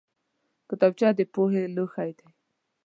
کتابچه د پوهې لوښی دی